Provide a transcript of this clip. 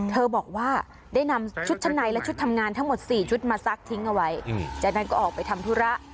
บอกว่าได้นำชุดชั้นในและชุดทำงานทั้งหมด๔ชุดมาซักทิ้งเอาไว้จากนั้นก็ออกไปทำธุระ